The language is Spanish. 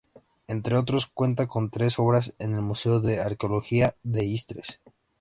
Entre otros, cuenta con tres obras en el Museo de Arqueología de Istres.